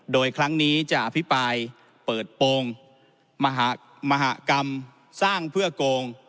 โดยครั้งนี้จะอภิปรายเปิดโปรงมหากรรมสร้างเพื่อโกง